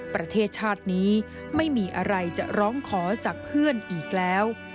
ประเทศชาตินี้ไม่มีอะไรจะร้องขอจากเพื่อนอีกแล้ว